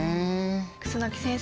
楠木先生